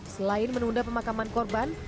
selain menunda pemakaman korban